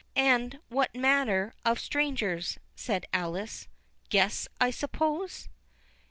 "And what manner of strangers," said Alice; "guests, I suppose?"